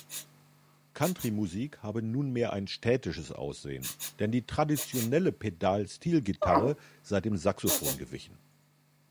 Country-Musik habe nunmehr ein städtisches Aussehen, denn die traditionelle Pedal-Steel-Gitarre sei dem Saxophon gewichen.